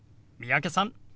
三宅さん